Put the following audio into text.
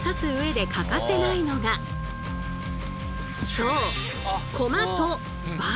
そう！